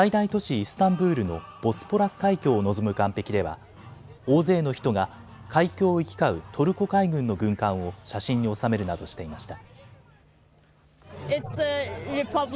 イスタンブールのボスポラス海峡を望む岸壁では大勢の人が海峡を行き交うトルコ海軍の軍艦を写真に収めるなどしていました。